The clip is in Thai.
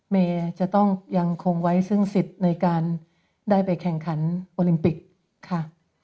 เมย์จะต้องยังคงไว้ซึ่งสิทธิ์ในการได้ไปแข่งขันโอลิมปิกค่ะ